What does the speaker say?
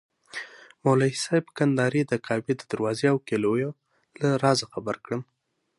مولوي صاحب کندهاري د کعبې د دروازې او کیلیو له رازه خبر کړم.